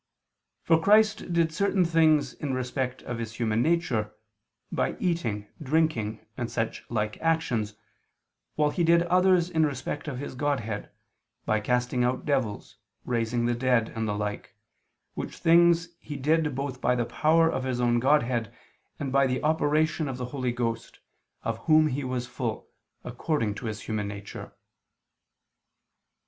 12:32), for Christ did certain things in respect of His human nature, by eating, drinking, and such like actions, while He did others in respect of His Godhead, by casting out devils, raising the dead, and the like: which things He did both by the power of His own Godhead and by the operation of the Holy Ghost, of Whom He was full, according to his human nature.